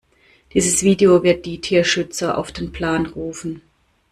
Dieses Video wird die Tierschützer auf den Plan rufen.